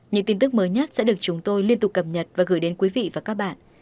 những tin tức mới nhất sẽ được chúng tôi liên tục cập nhật và gửi đến quý vị và các bạn